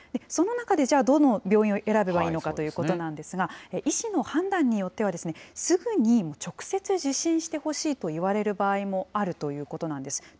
その中で、じゃあどの病院を選べばいいのかということなんですが、医師の判断によっては、すぐに直接受診してほしいと言われる場合もあるということなんです。